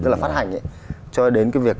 là phát hành cho đến cái việc